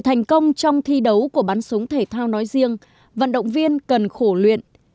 thành công trong thi đấu của bắn súng thể thao nói riêng vận động viên cần khổ luyện